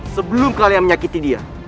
sebelum kalian menyakiti dia